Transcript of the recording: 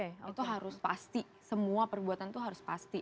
itu harus pasti semua perbuatan itu harus pasti